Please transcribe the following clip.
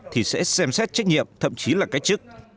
thì sẽ xem xét trách nhiệm thậm chí là cách chức